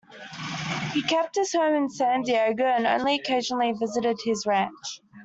He kept his home in San Diego and only occasionally visited his ranch.